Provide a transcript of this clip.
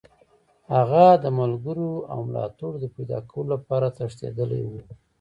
هغه د ملګرو او ملاتړو د پیداکولو لپاره تښتېدلی وو.